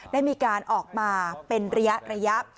ได้มีการออกมาเป็นระยะ